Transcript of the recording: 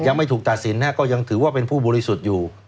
ยังไม่ถูกตัดสินฮะก็ยังถือว่าเป็นผู้บริสุทธิ์อยู่